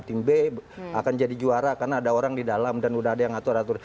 tim b akan jadi juara karena ada orang di dalam dan udah ada yang ngatur atur